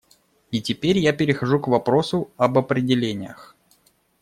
И теперь я перехожу к вопросу об определениях.